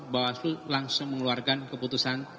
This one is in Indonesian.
bawaslu langsung mengeluarkan keputusan